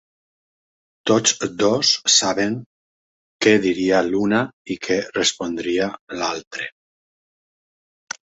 Tots dos saben què diria l'una i què respondria l'altre.